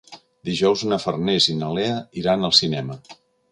Dijous na Farners i na Lea iran al cinema.